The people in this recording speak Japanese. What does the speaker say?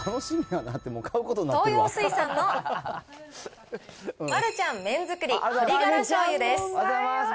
東洋水産のマルちゃん麺づくり鶏ガラ醤油です。